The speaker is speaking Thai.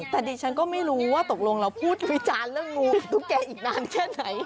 แต่ดิฉันก็ไม่รู้ว่าตกลงเราพูดวิจารณ์เรื่องงูกับตุ๊กแกอีกนานแค่ไหน